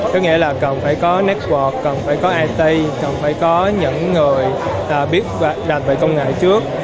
tức nghĩa là cần phải có network cần phải có it cần phải có những người biết đạt về công nghệ trước